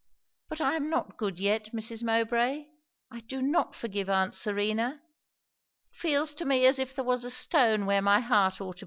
But I am not good yet, Mrs. Mowbray. I do not forgive aunt Serena. It feels to me as if there was a stone where my heart ought to be."